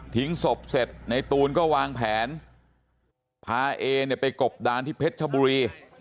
ศพเสร็จในตูนก็วางแผนพาเอเนี่ยไปกบดานที่เพชรชบุรี